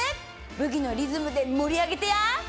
ブギのリズムで盛り上げてや！